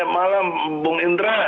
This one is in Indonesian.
malam bung indra